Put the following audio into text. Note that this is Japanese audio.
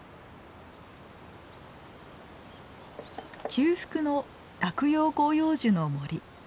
中腹の落葉広葉樹の森。